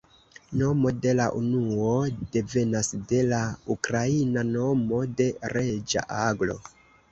Nomo de la unuo devenas de la ukraina nomo de reĝa aglo.